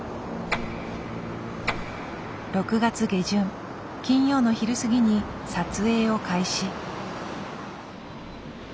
６月下旬金曜の昼過ぎに撮影を開始。